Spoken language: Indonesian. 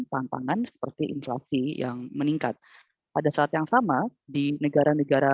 tantangan seperti inflasi yang meningkat pada saat yang sama di negara negara